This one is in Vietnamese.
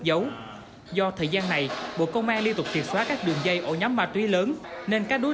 dấu do thời gian này bộ công an liên tục triệt xóa các đường dây ổ nhóm ma túy lớn nên các đối